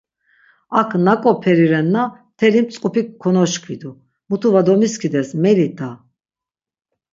Ak nak̆o peri renna mteli mtzk̆upik konoşkvidu, mutu va domiskides meli da.